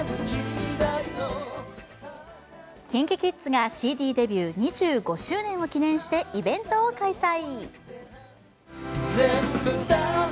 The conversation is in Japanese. ＫｉｎＫｉＫｉｄｓがＣＤデビュー２５周年を記念してイベントを開催。